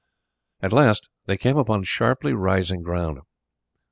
At last they came upon sharply rising ground.